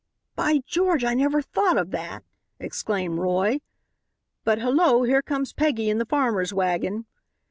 "By George, I never thought of that!" exclaimed Roy, "but hullo, here comes Peggy in the farmer's wagon!"